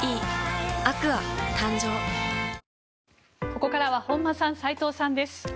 ここからは本間さん、斎藤さんです。